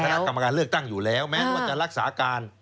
คณะกรรมการเลือกตั้งอยู่แล้วแม้ว่าจะรักษาการ